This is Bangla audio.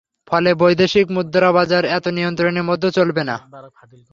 ফলে বৈদেশিক মুদ্রাবাজার এত নিয়ন্ত্রণের মধ্যে চলবে না।